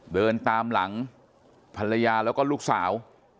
เดินตามหลังภรรยาแล้วก็ลูกสาว